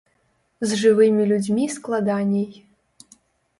З жывымі людзьмі складаней.